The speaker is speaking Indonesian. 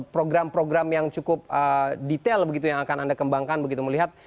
program program yang cukup detail begitu yang akan anda kembangkan begitu melihat